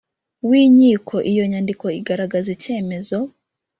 W inkiko iyo nyandiko igaragaza icyemezo